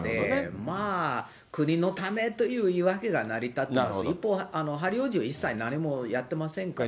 まあ、国のためという言い訳が成り立つし、一方、ハリー王子は一切何もやってませんからね。